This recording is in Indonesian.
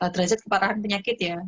derajat keparahan penyakit ya